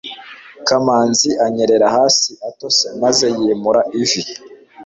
kamanzi anyerera hasi atose maze yimura ivi